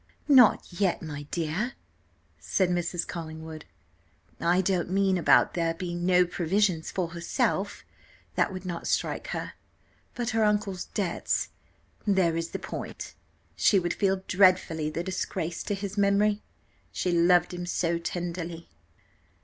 "Not yet, my dear," said Mrs. Collingwood: "I don't mean about there being no provision for herself, that would not strike her, but her uncle's debts, there is the point: she would feel dreadfully the disgrace to his memory she loved him so tenderly!"